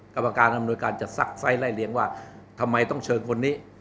กรรมการอำนวยการจะซักไซส์ไล่เลี้ยงว่าทำไมต้องเชิญคนนี้